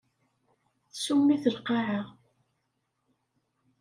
Tsum-it lqaɛa.